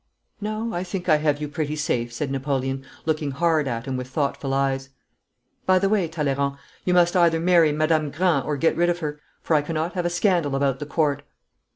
'No, I think I have you pretty safe,' said Napoleon, looking hard at him with thoughtful eyes. 'By the way, Talleyrand, you must either marry Madame Grand or get rid of her, for I cannot have a scandal about the Court.'